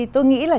tôi nghĩ là